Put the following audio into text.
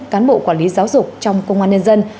cán bộ quản lý giáo dục trong công an nhân dân